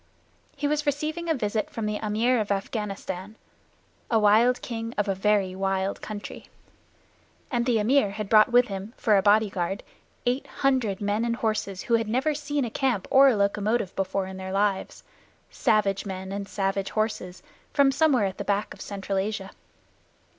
He was receiving a visit from the Amir of Afghanistan a wild king of a very wild country. The Amir had brought with him for a bodyguard eight hundred men and horses who had never seen a camp or a locomotive before in their lives savage men and savage horses from somewhere at the back of Central Asia.